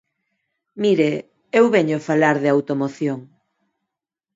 Mire, eu veño falar de automoción.